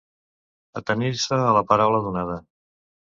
Atenir-se a la paraula donada.